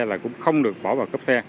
là cũng không được bỏ vào cấp xe